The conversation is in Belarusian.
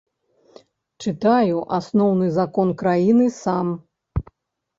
Чытаю асноўны закон краіны сам.